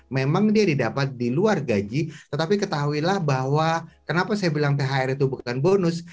memang dia didapat di luar gaji tetapi ketahuilah bahwa kenapa saya bilang thr itu bukan bonus